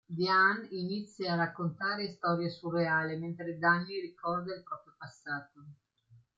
Diane inizia a raccontare storie surreali, mentre Danny ricorda il proprio passato.